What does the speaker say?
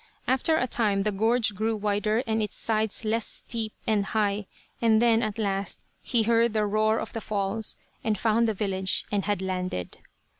After a time the gorge grew wider and its sides less steep and high; and then, at last, he heard the roar of the falls, and found the village, and had landed.